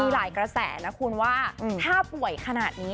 หลายกระแสนะคุณว่าถ้าป่วยขนาดนี้